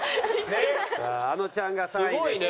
さああのちゃんが３位でした。